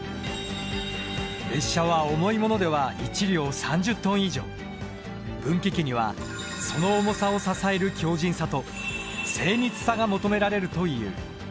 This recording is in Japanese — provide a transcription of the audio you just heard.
列車は重いものでは分岐器にはその重さを支える強じんさと精密さが求められるという。